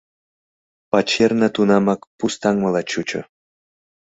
Пачерна тунамак пустаҥмыла чучо.